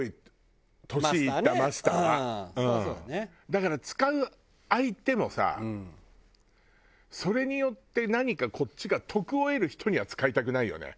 だから使う相手もさそれによって何かこっちが徳を得る人には使いたくないよね。